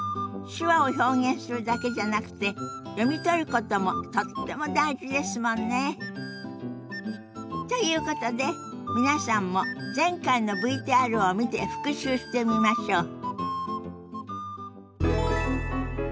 手話を表現するだけじゃなくて読み取ることもとっても大事ですもんね。ということで皆さんも前回のＶＴＲを見て復習してみましょ。